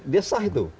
dia sah itu